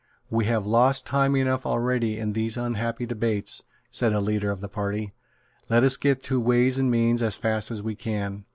"We have lost time enough already in these unhappy debates," said a leader of the party. "Let us get to Ways and Means as fast as we can.